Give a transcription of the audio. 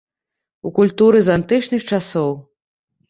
У культуры з антычных часоў.